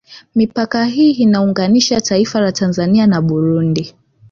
Mipaka hii inaunganisha taifa la Tanzania na Burundi